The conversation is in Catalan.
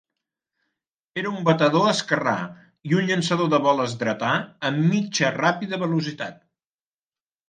Era un batedor esquerrà i un llançador de boles dretà a mitja-ràpida velocitat.